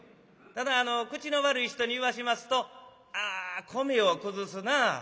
ただあの口の悪い人に言わしますと「ああ米を崩すなあ。